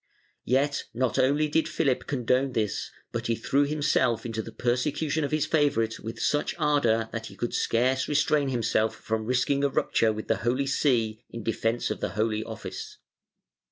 Yet not only did Philip condone this but he threw himself into the persecution of his favorite with such ardor that he could scarce restrain himself from risking a rupture with the Holy See in defence of the Holy Office.